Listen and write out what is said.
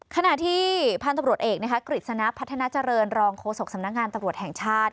ขณะที่พันธุปรวจเอกกริจสนับพัฒนาเจริญรองโคศกสำนักงานตรวจแห่งชาติ